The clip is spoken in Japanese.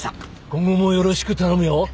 今後もよろしく頼むよ。